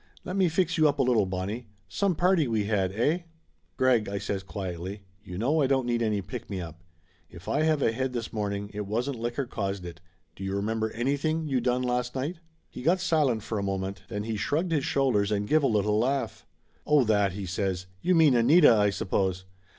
Let me fix you up a little, Bonnie. Some party we had, eh?" "Greg," I says quietly, "you know I don't need any pick me up. If I have a head this morning, it wasn't liquor caused it. Do you remember anything you done last night?" He got silent for a moment, then he shrugged his shoulders and give a little laugh. "Oh, that !" he says. "You mean Anita, I suppose.